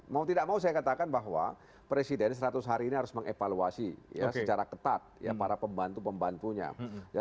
mau tidak mau saya katakan bahwa presiden seratus hari ini harus mengevaluasi secara ketat para pembantu pembantunya